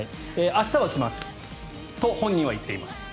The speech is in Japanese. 明日は来ますと本人は言っています。